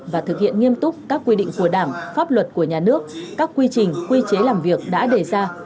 và thực hiện nghiêm túc các quy định của đảng pháp luật của nhà nước các quy trình quy chế làm việc đã đề ra